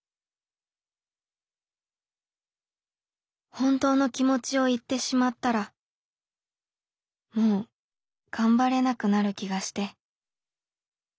「ほんとうの気持ちを言ってしまったらもう頑張れなくなる気がして」。